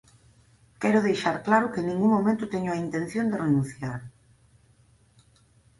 Quero deixar claro que en ningún momento teño a intención de renunciar